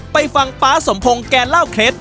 ไปฟังป๊าสมพงศ์แกเล่าเคล็ด